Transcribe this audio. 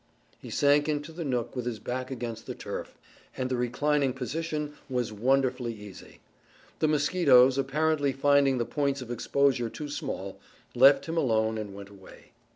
He sank into the nook with his back against the turf, and the reclining position was wonderfully easy. The mosquitoes, apparently finding the points of exposure too small, left him alone and went away.